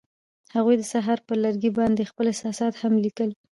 هغوی د سهار پر لرګي باندې خپل احساسات هم لیکل.